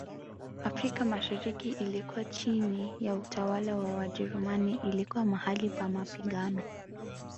Afrika mashariki ilikuwa chini ya utawala wa Wajerumani ilikuwa mahali pa mapigano